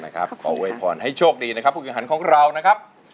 ขอโวยพรให้โชคดีนะครับผู้แข่งขันของเรานะครับ